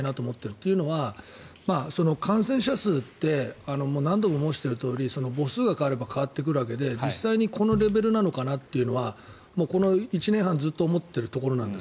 というのは、感染者数って何度も申しているとおり母数が変われば変わってくるわけで実際にこのレベルなのかなというのはこの１年半ずっと思ってるところなんです。